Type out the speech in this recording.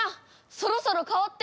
そろそろ代わって。